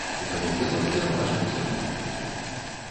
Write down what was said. У панядзелак пераважна без ападкаў.